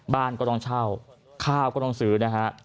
บ้านก็ต้องเช่าข้าวก็ต้องซื้อนะฮะ